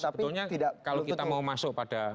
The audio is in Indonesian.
sebetulnya kalau kita mau masuk pada